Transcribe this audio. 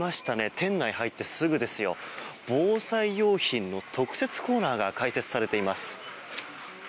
店内に入ってすぐ防災用品の特設コーナーが開設されています。